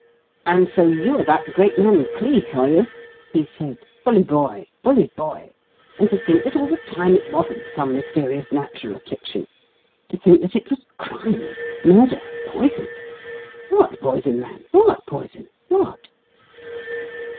"And so you are that great man Cleek, are you?" he said. "Bully boy! Bully boy! And to think that all the time it wasn't some mysterious natural affliction; to think that it was crime murder poison. What poison, man, what poison what?"